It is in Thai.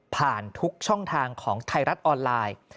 ทุกช่องทางของไทยรัฐออนไลน์